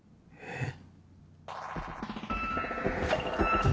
えっ？